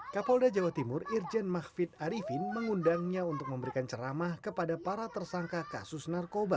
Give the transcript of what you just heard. kapolda jawa timur irjen mahfid arifin mengundangnya untuk memberikan ceramah kepada para tersangka kasus narkoba